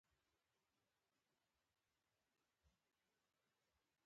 زوی یې وویل چټک نه سمه تللای